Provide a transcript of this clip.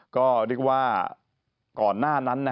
ก็เรียกว่าก่อนหน้านั้น